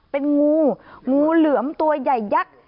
เป็นงูงูเหลือมตัวใหญ่ยักษ์